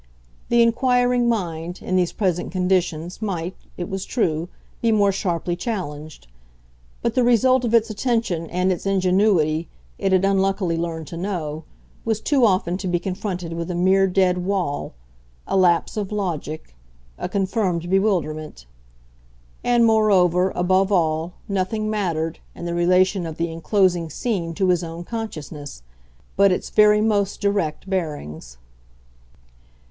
The inquiring mind, in these present conditions, might, it was true, be more sharply challenged; but the result of its attention and its ingenuity, it had unluckily learned to know, was too often to be confronted with a mere dead wall, a lapse of logic, a confirmed bewilderment. And moreover, above all, nothing mattered, in the relation of the enclosing scene to his own consciousness, but its very most direct bearings.